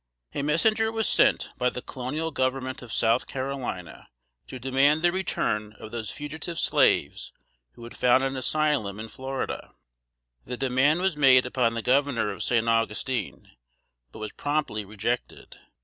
[Sidenote: 1738.] A messenger was sent by the Colonial Government of South Carolina to demand the return of those fugitive slaves who had found an asylum in Florida. The demand was made upon the Governor of St. Augustine, but was promptly rejected.